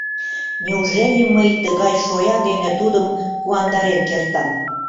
Неужели мый тыгай шоя дене тудым куандарен кертам?